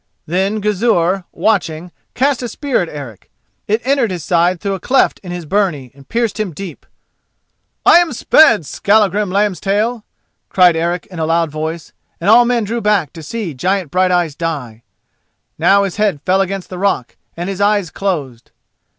Then Gizur, watching, cast a spear at Eric. It entered his side through a cleft in his byrnie and pierced him deep. "I am sped, Skallagrim Lambstail," cried Eric in a loud voice, and all men drew back to see giant Brighteyes die. Now his head fell against the rock and his eyes closed.